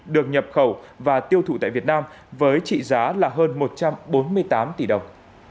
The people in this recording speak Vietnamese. được nhập khẩu và tiêu thụ tại việt nam với trị giá là hơn một trăm bốn mươi tám tỷ đồng